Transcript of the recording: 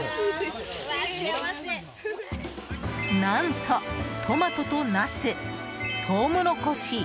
何と、トマトとナストウモロコシ